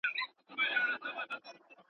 د دې قلا او د خانیو افسانې یادي وې.